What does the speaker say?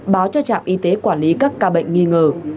báo cho trạm y tế quản lý các ca bệnh nghi ngờ